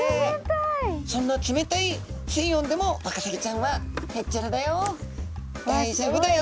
そんな冷たい水温でもワカサギちゃんはへっちゃらだよ